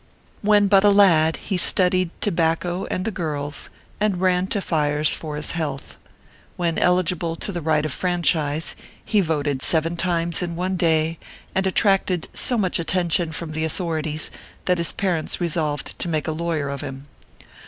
When but a lad, he studied tobacco and the girls, and ran to fires for his health. When eligible to the right of franchise, he voted seven times in one day, and attracted so much atten tion from the authorities that his parents resolved to make a lawyer of him.